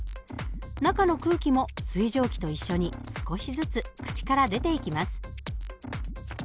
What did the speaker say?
中の空気も水蒸気と一緒に少しずつ口から出ていきます。